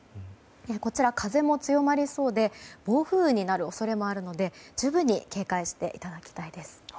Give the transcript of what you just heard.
こちら、風も強まりそうで暴風雨になる恐れもあるので十分に警戒していただきたいです。